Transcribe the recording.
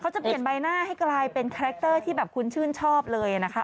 จะเปลี่ยนใบหน้าให้กลายเป็นคาแรคเตอร์ที่แบบคุณชื่นชอบเลยนะคะ